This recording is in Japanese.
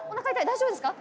大丈夫ですか？